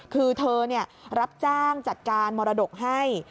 คือเธอรับจ้างจัดการมรดกให้